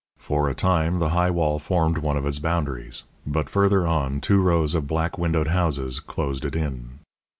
For a time the high wall formed one of its boundaries; but further on, two rows of black windowed houses closed it in.